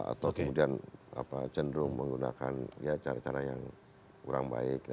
atau kemudian cenderung menggunakan cara cara yang kurang baik